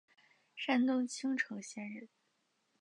山东青城县人。